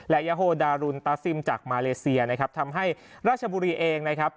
และยาโฮดารุนตาซิมจากมาเลเซียนะครับทำให้ราชบุรีเองนะครับ